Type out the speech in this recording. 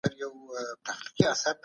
هغوی په خرافاتو باور درلود.